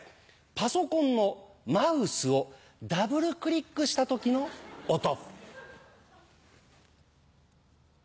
パソコンのマウスをダブルクリックした時の音。